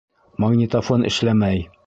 Магнитофон эшләмәй!